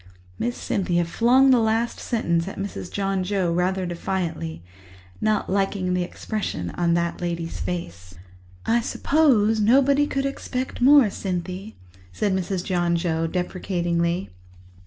Miss Cynthia flung the last sentence at Mrs. John Joe rather defiantly, not liking the expression on that lady's face. "I suppose nobody could expect more, Cynthy," said Mrs. John Joe deprecatingly.